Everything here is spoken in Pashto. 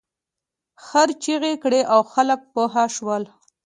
خر چیغې کړې او خلک پوه شول.